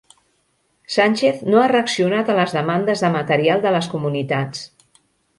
Sánchez no ha reaccionat a les demandes de material de les comunitats